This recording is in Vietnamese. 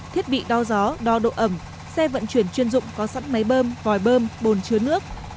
thiết bị đo gió đo độ ẩm xe vận chuyển chuyên dụng có sẵn máy bơm vòi bơm bồn chứa nước